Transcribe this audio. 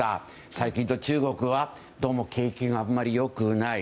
最近の中国はどうも景気があまり良くない。